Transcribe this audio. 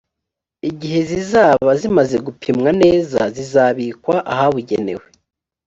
igihe zizaba zimaze gupimwa neza zizabikwa ahabugenewe